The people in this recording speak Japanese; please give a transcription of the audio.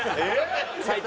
最低。